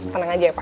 tenang aja ya pa